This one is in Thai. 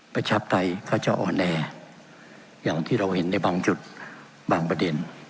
ประชาปไตยก็จะอ่อนแออย่างที่เราเห็นในบางจุดบางประเด็น